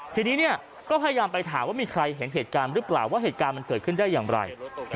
ทีนี้เนี่ยก็พยายามไปถามว่ามีใครเห็นเหตุการณ์หรือเปล่าว่าเหตุการณ์มันเกิดขึ้นได้อย่างไร